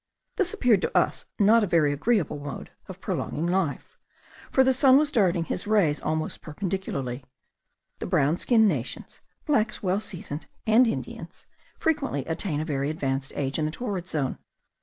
This appeared to us not a very agreeable mode of prolonging life, for the sun was darting his rays almost perpendicularly. The brown skinned nations, blacks well seasoned, and Indians, frequently attain a very advanced age in the torrid zone.